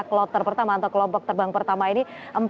kloter pertama atau kelompok terbang pertama ini